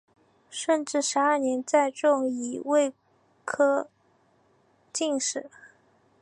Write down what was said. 顺治十二年再中乙未科进士。